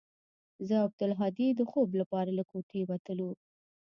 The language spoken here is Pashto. زه او عبدالهادي د خوب لپاره له كوټې وتلو.